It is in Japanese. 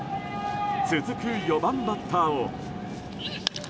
続く４番バッターを。